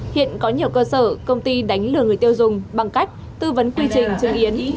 hiện có nhiều cơ sở công ty đánh lừa người tiêu dùng bằng cách tư vấn quy trình chứng kiến